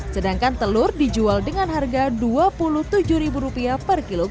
sedangkan telur dijual dengan harga rp dua puluh tujuh per kilogra